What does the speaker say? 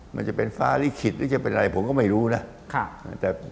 มันจะเป็นฟ้าลิขิตหรือจะเป็นอะไรผมก็ไม่รู้นะ